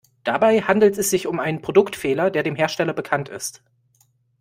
Dabei handelt es sich um einen Produktfehler, der dem Hersteller bekannt ist.